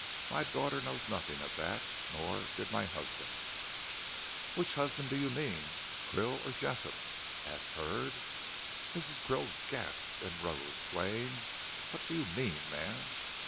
My daughter knows nothing of that nor did my husband " "Which husband do you mean, Krill or Jessop?" asked Hurd. Mrs. Krill gasped and rose, swaying. "What do you mean, man?"